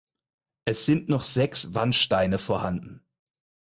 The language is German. Es sind noch sechs Wandsteine vorhanden.